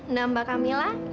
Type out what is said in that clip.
nama kami laras